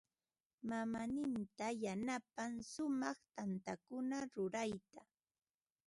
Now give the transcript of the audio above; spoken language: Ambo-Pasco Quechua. Mamaaninta yanapan shumaq tantakuna rurayta.